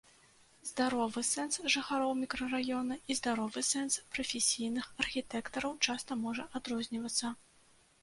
Здаровы сэнс жыхароў мікрараёна і здаровы сэнс прафесійных архітэктараў часта можа адрознівацца.